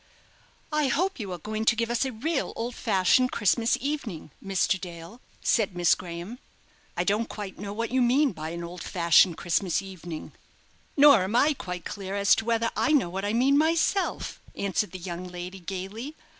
"I hope you are going to give us a real old fashioned Christmas evening, Mr. Dale," said Miss Graham. "I don't quite know what you mean by an old fashioned Christmas evening." "Nor am I quite clear as to whether I know what I mean myself," answered the young lady, gaily.